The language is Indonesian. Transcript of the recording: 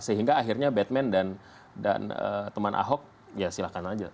sehingga akhirnya batman dan teman ahok ya silahkan aja